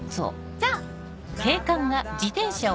「じゃあ」。